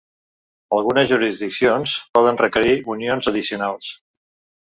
Algunes jurisdiccions poden requerir unions addicionals.